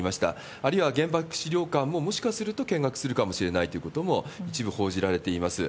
あるいは原爆資料館も、もしかすると見学するかもしれないということも、一部報じられています。